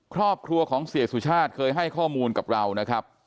ครอบครัวของเสียสุชาติเคยให้ข้อมูลกับเรานะครับ